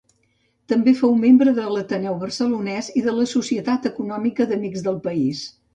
També fou membre de l'Ateneu Barcelonès i de la Societat Econòmica d’Amics del País.